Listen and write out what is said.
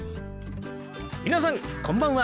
皆さんこんばんは！